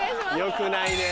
良くないね。